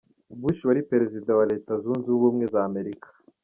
Bush wari Perezida wa Leta Zunze Ubumwe za Amerika.